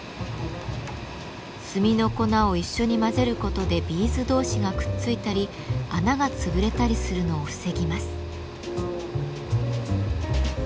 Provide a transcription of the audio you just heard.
炭の粉を一緒に混ぜることでビーズ同士がくっついたり穴が潰れたりするのを防ぎます。